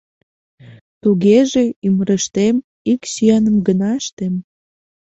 — Тугеже, ӱмырыштем ик сӱаным гына ыштем.